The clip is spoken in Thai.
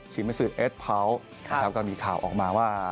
ชิมซืดเอสพร้าวครับก็มีข่าวออกมาว่า